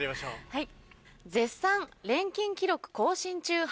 はい。